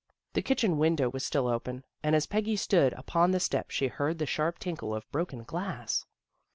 The kitchen window was still open, and as Peggy stood upon the steps she heard the sharp tinkle of broken glass.